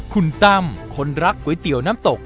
คุณตั้มคนรักก๋วยเตี๋ยวน้ำตก